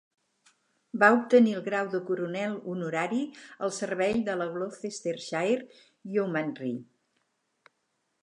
Va obtenir el grau de coronel honorari al servei de la Gloucestershire Yeomanry.